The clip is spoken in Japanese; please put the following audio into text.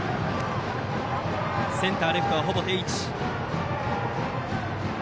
センター、レフトはほぼ定位置。